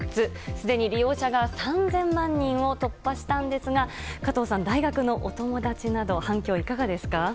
すでに利用者が３０００万人を突破したんですが加藤さん、大学のお友達など反響はいかがですか。